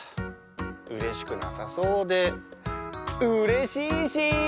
うれしくなさそうでうれしいし！